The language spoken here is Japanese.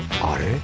あれ？